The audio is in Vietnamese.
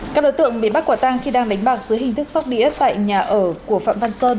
các đối tượng bị bắt quả tang khi đang đánh bạc dưới hình thức sóc đĩa tại nhà ở của phạm văn sơn